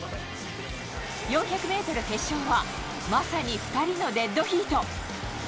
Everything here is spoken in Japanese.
４００ｍ決勝はまさに２人のデッドヒート。